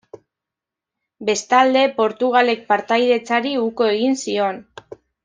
Bestalde Portugalek partaidetzari uko egin zion.